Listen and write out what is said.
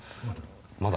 まだ。